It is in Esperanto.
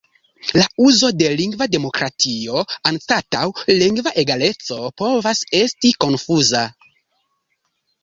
La uzo de "lingva demokratio" anstataŭ "lingva egaleco" povas esti konfuza.